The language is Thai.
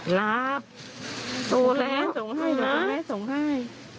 หลับรูปแล้วส่งให้ส่งให้